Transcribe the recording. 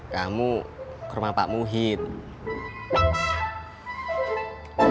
kamu ke rumah pak muhid